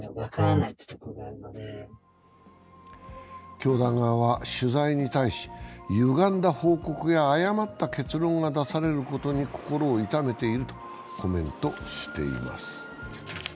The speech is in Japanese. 教団側は、取材に対しゆがんだ報告や誤った結論が出されることに心を痛めているとコメントしています。